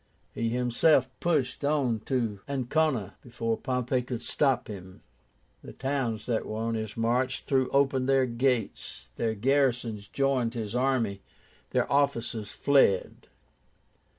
He himself pushed on to Ancóna, before Pompey could stop him. The towns that were on his march threw open their gates, their garrisons joined his army, and their officers fled.